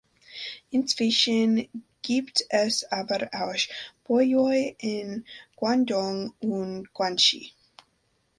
Inzwischen gibt es aber auch Bouyei in Guangdong und Guangxi.